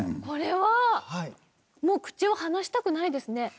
これはもう口を離したくないですね。